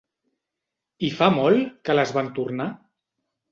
I fa molt, que les van tornar?